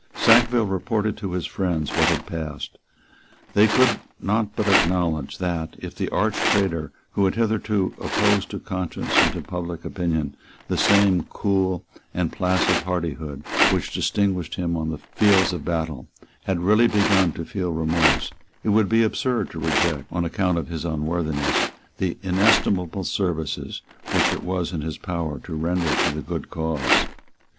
Sackville reported to his friends what had passed. They could not but acknowledge that, if the arch traitor, who had hitherto opposed to conscience and to public opinion the same cool and placid hardihood which distinguished him on fields of battle, had really begun to feel remorse, it would be absurd to reject, on account of his unworthiness, the inestimable services which it was in his power to render to the good cause.